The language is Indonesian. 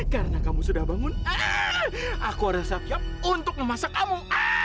karena kamu sudah bangun aku sudah siap untuk memasak kamu